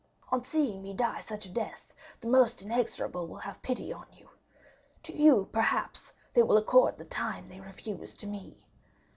On seeing me die such a death, the most inexorable will have pity on you. To you, perhaps, they will accord the time they have refused to me.